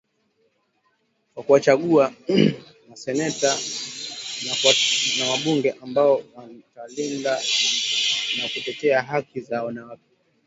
kwa kuwachagua maseneta na wabunge ambao watalinda na kutetea haki za wanawake